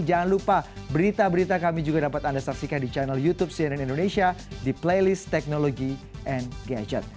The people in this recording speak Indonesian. jangan lupa berita berita kami juga dapat anda saksikan di channel youtube cnn indonesia di playlist teknologi and gadget